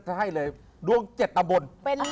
ถ้าให้เลยร่วงเจ็ดตามบน